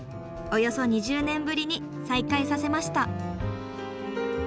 およそ２０年ぶりに再開させました。